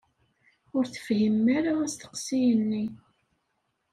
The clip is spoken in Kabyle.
Ur tefhimem ara asteqsi-nni.